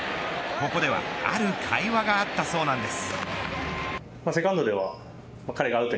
ここではある会話があったそうなんです。